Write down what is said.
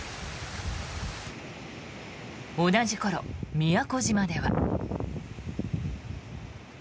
同じ頃、宮古島では。